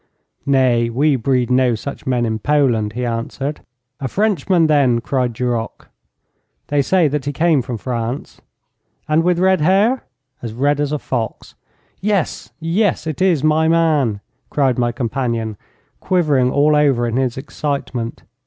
'Nay, we breed no such men in Poland,' he answered. 'A Frenchman, then?' cried Duroc. 'They say that he came from France.' 'And with red hair?' 'As red as a fox.' 'Yes, yes, it is my man,' cried my companion, quivering all over in his excitement.